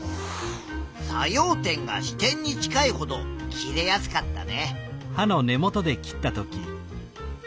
作用点が支点に近いほど切れやすかったね。